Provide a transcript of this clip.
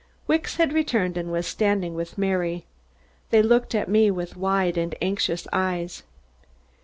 Wicks had returned and was standing with Mary. They looked at me with wide and anxious eyes.